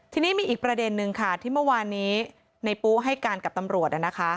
ทีนี้มีอีกประเด็นนึงค่ะที่เมื่อวานนี้ในปุ๊ให้การกับตำรวจ